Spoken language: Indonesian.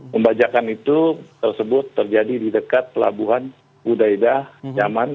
membajakan itu terjadi di dekat pelabuhan hudaidah yaman